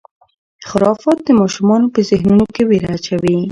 خرافات د ماشومانو په ذهنونو کې وېره اچوي.